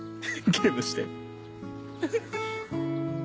ゲームして。